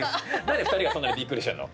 何で２人がそんなにびっくりしてるの。